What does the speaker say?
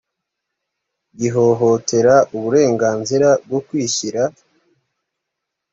gihohotera uburenganzira bwo kwishyira